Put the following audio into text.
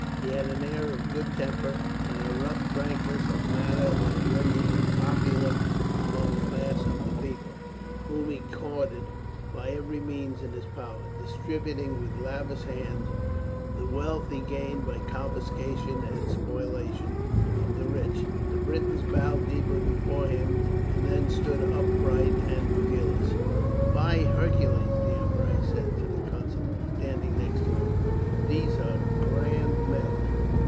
He had an air of good temper, and a rough frankness of manner that rendered him popular among the mass of the people, whom he courted by every means in his power, distributing with lavish hand the wealth he gained by confiscation and spoliation of the rich. The Britons bowed deeply before him and then stood upright and fearless. "By Hercules," the emperor said to the councillor standing next to him, "but these are grand men!